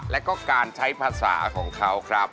แล้วก็การใช้ภาษาของเขาครับ